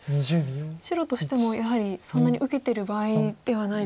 白としてもやはりそんなに受けてる場合ではないと。